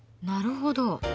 なるほど。